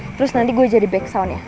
terus nanti gue jadi back sound ya